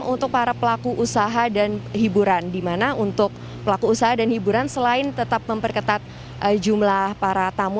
untuk para pelaku usaha dan hiburan di mana untuk pelaku usaha dan hiburan selain tetap memperketat jumlah para tamu